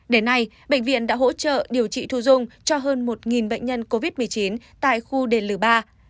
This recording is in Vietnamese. đến nay bệnh viện đã hỗ trợ điều trị thu dung cho hơn một bệnh nhân covid một mươi chín tại khu đền lì ba